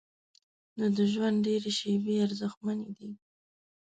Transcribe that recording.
نو د ژوند ډېرې شیبې ارزښتمنې دي.